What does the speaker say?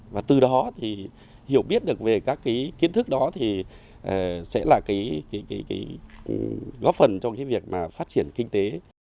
và từ đó thì hiểu biết được về các cái kiến thức đó thì sẽ là cái góp phần trong cái việc mà phát triển kinh tế